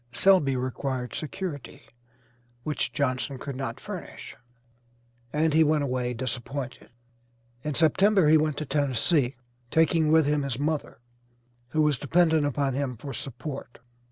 Selby required security, which Johnson could not furnish, and he went away disappointed. In September he went to Tennessee, taking with him his mother, who was dependent upon him for support.